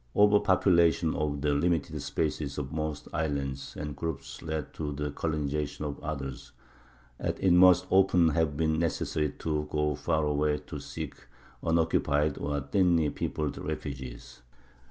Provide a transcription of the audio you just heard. Over population of the limited spaces of most islands and groups led to the colonization of others; and it must often have been necessary to go far away to seek unoccupied or thinly peopled refuges.